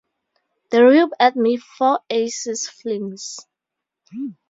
The rube at me four aces flings.